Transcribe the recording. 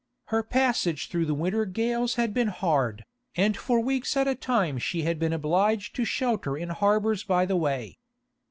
Her passage through the winter gales had been hard, and for weeks at a time she had been obliged to shelter in harbours by the way.